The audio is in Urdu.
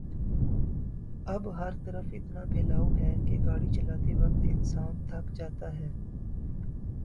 اب ہرطرف اتنا پھیلا ؤ ہے کہ گاڑی چلاتے وقت انسان تھک جاتاہے۔